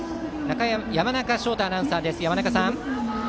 山中翔太アナウンサーです。